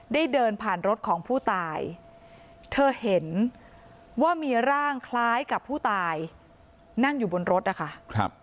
เดินผ่านรถของผู้ตายเธอเห็นว่ามีร่างคล้ายกับผู้ตายนั่งอยู่บนรถนะคะ